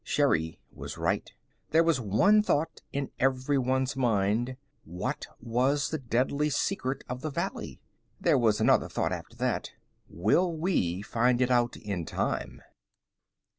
Sherri was right. There was one thought in everyone's mind: what was the deadly secret of the valley? There was another thought, after that: _Will we find it out in time?